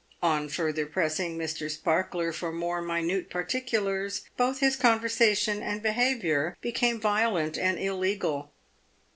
On further pressing Mr. Sparkler for more minute particulars, both his conversation and behaviour became violent and illegal.